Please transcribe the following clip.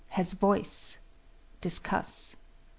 Has voice? Discuss.